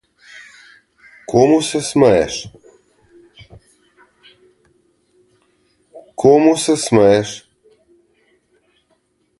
Komu se smeješ?